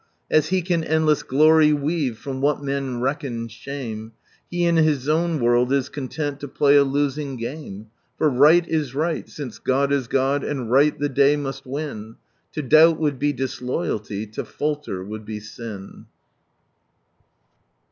As He can endless glory weave from what men reckon shame, He in His Own world is content to play a losing game. For right is right, since God is God, and right, the day must win. To doubt would be disloyalty, to falter would be sin